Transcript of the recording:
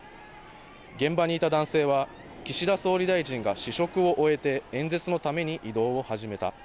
現場にいた男性は岸田総理大臣が試食を終えて演説のために移動を始めた。